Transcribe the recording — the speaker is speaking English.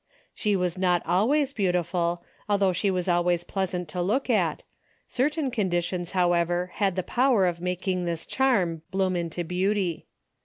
She was not always A DAILY BATEA'^ 155 beautiful, although she was always pleasant to look at : certain conditions, however, had the power of making this charm bloom into beauty.